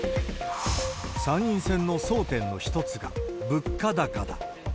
参院選の争点の一つが物価高だ。